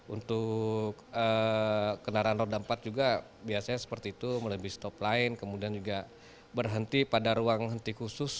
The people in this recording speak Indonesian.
untuk kendaraan roda empat juga biasanya seperti itu melebihi stop line kemudian juga berhenti pada ruang henti khusus